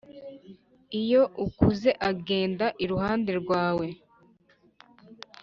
iyo ukuze agenda iruhande rwawe